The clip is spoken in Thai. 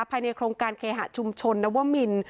ภายในโครงการเคหะชุมชนนวมิน